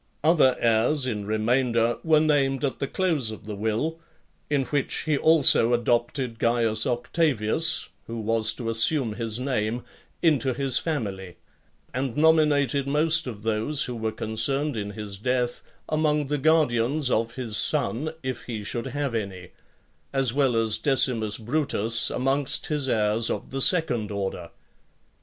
Other heirs [in remainder] were named at the close of the will, in which he also adopted Caius Octavius, who was to assume his name, into his family; and nominated most of those who were concerned in his death among the guardians of his son, if he should have any; as well as Decimus Brutus amongst his heirs of the second order.